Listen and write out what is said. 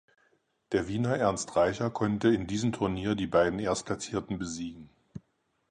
Der Wiener Ernst Reicher konnte in diesem Turnier die beiden Erstplatzierten besiegen.